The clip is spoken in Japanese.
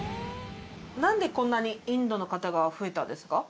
なんでこんなにインドの方が増えたんですか？